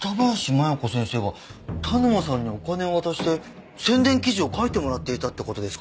麻弥子先生が田沼さんにお金を渡して宣伝記事を書いてもらっていたって事ですか？